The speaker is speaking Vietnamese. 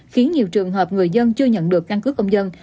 khiến nhiều trường hợp người dân chưa nhận được căn cứ công dân